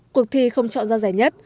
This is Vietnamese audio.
cuộc thi không chọn ra giải nhất